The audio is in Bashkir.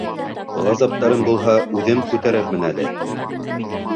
Ғазаптарым булһа, үҙем күтәрермен әле.